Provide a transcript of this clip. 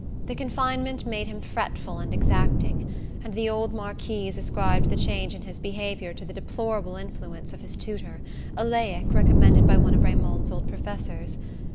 The confinement made him fretful and exacting, and the old Marquise ascribed the change in his behaviour to the deplorable influence of his tutor, a "laic" recommended by one of Raymond's old professors.